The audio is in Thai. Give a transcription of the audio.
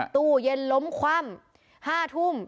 ตู้เย็นล้มคว่ำ๕ทุ่ม